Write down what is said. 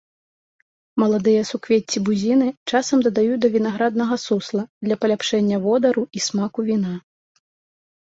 Маладыя суквецці бузіны часам дадаюць да вінаграднага сусла для паляпшэння водару і смаку віна.